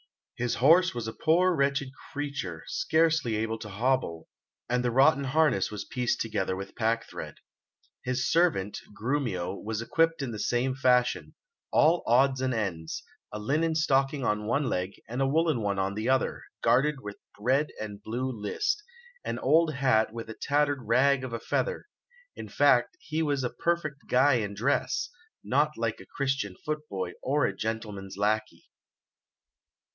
His horse was a poor wretched creature, scarcely able to hobble, and the rotten harness was pieced together with pack thread. His servant, Grumio, was equipped in the same fashion, all odds and ends, a linen stocking on one leg and a woollen one on the other, gartered with red and blue list; an old hat with a tattered rag of a feather in fact, he was a perfect guy in dress, not like a Christian foot boy or a gentleman's lackey.